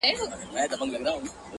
هغه مړ له مــسته واره دى لوېـدلى!